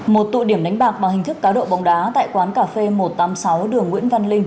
một tụ điểm đánh bạc bằng hình thức cá độ bóng đá tại quán cà phê một trăm tám mươi sáu đường nguyễn văn linh